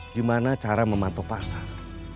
gimana cara memantau pasar